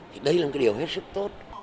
thì đây là một cái điều hết sức tốt